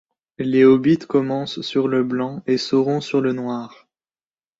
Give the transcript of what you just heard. Les hobbits commencent sur le blanc et Sauron sur le noir.